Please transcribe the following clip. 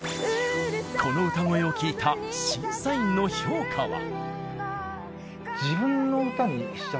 この歌声を聴いた審査員の評価は。